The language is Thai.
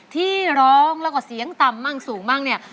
ที่ร้องแล้วก็เสียงต่ำมั่งสูงมั่งเนี่ย